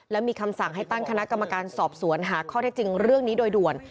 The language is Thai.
และมีคำสั่งให้ตั้งคณะกรรมการสอบสวนหาข้อเท็จจริงเรื่องนี้โดยด่วน